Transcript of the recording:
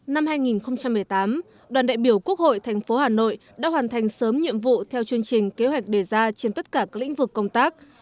năm hai nghìn một mươi tám đoàn đại biểu quốc hội thành phố hà nội đã hoàn thành sớm nhiệm vụ theo chương trình kế hoạch đề ra trên tất cả các lĩnh vực công tác